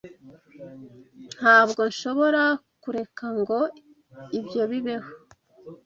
Ntabwo nshobora kureka ngo ibyo bibeho.